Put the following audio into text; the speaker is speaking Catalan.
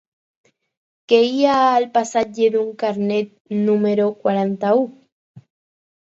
Què hi ha al passatge de Canet número quaranta-u?